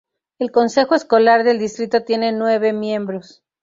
El consejo escolar del distrito tiene nueve miembros.